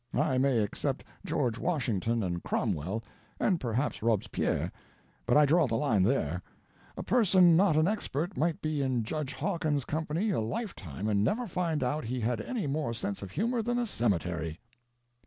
I may except George Washington and Cromwell, and perhaps Robespierre, but I draw the line there. A person not an expert might be in Judge Hawkins's company a lifetime and never find out he had any more sense of humor than a cemetery."